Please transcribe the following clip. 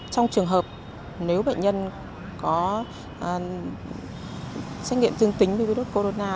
trong trường hợp nếu bệnh nhân có trách nhiệm tương tính với virus corona